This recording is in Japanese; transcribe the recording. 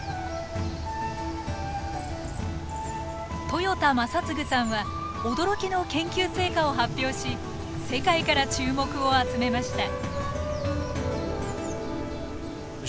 豊田正嗣さんは驚きの研究成果を発表し世界から注目を集めました。